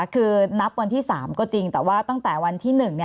คือนับวันที่๓ก็จริงแต่ว่าตั้งแต่วันที่๑